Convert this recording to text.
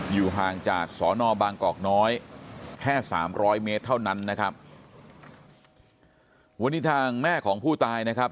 อยู่ห่างจากสอนอบางกอกน้อยแค่สามร้อยเมตรเท่านั้นนะครับวันนี้ทางแม่ของผู้ตายนะครับ